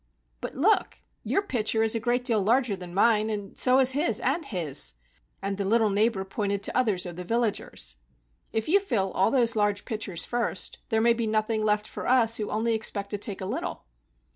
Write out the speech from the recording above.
" But look! your pitcher is a great deal larger than mine, and so is his, and his," — and the little neighbor pointed to others of the villagers. "If you fill all those large pitchers first there may be nothing left for us who only expect to take a little."